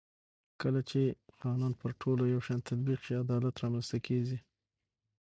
کله چې قانون پر ټولو یو شان تطبیق شي عدالت رامنځته کېږي